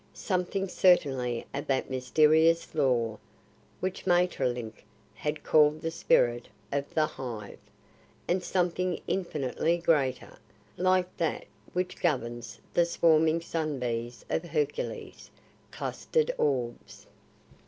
Something certainly of that mysterious law which Maeterlinck has called the spirit of the Hive and something infinitely greater, like that which governs the swarming sun bees of Hercules' clustered orbs.